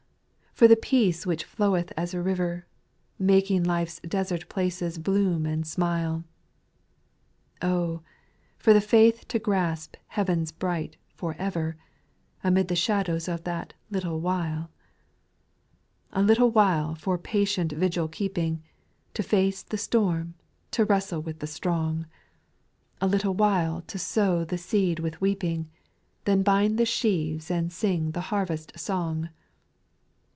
for the peace which floweth as a river, Vy Making life's desert places bloom and smile ! Oh ! for the faith to grasp heaven's bright *' for ever," Amid the shadows of that *' little while I" . 2. " A little while" for patient vigil keeping, To face the storm, to wrestle with the strong ; SPIRITUAL SONGS, 889 A little while " to sow the seed with weep ing, Then bind the sheaves and sing the harvest song.